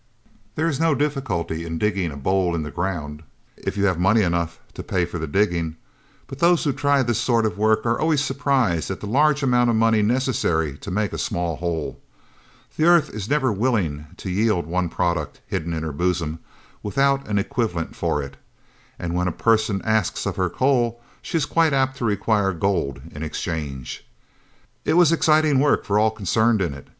There is no difficulty in digging a bole in the ground, if you have money enough to pay for the digging, but those who try this sort of work are always surprised at the large amount of money necessary to make a small hole. The earth is never willing to yield one product, hidden in her bosom, without an equivalent for it. And when a person asks of her coal, she is quite apt to require gold in exchange. It was exciting work for all concerned in it.